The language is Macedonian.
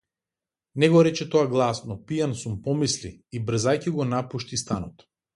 Не го рече тоа гласно, пијан сум помисли, и брзајќи го напушти станот.